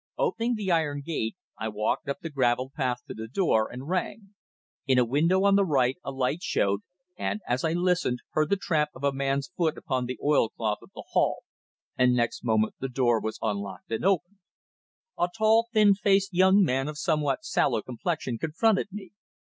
Opening the iron gate I walked up the gravelled path to the door and rang. In a window on the right a light showed, and as I listened I heard the tramp of a man's foot upon the oilcloth of the hall, and next moment the door was unlocked and opened. A tall, thin faced young man of somewhat sallow complexion confronted me.